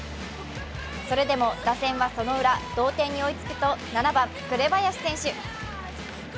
それでも打線はそのウラ、同点に追いつくと７番・紅林選手。